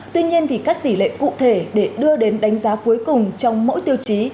tuy nhiên các tỷ lệ cụ thể để đưa đến đánh giá cuối cùng trong mỗi tiêu chí